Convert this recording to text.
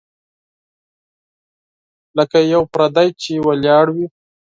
لکه یو پردی چي ولاړ وي .